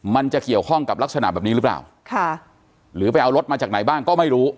มันจะเกี่ยวข้องกับลักษณะแบบนี้หรือเปล่าค่ะหรือไปเอารถมาจากไหนบ้างก็ไม่รู้